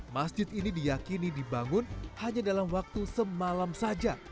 masjid ini diyakini dibangun hanya dalam waktu semalam saja